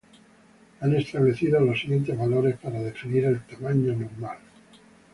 Han establecido los siguientes valores para definir el tamaño normal.